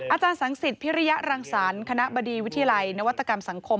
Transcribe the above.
อาจารย์สังสิทธิพิริยรังสรรค์คณะบดีวิทยาลัยนวัตกรรมสังคม